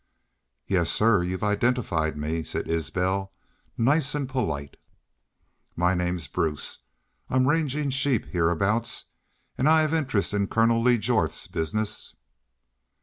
"'Yes sir, you've identified me,' said Isbel, nice an' polite. "'My name's Bruce. I'm rangin' sheep heahaboots, an' I hev interest in Kurnel Lee Jorth's bizness.'